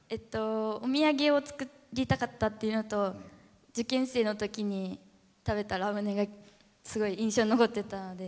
お土産を作りたかったっていうのと受験生のときに食べたラムネがすごい印象に残ってたので。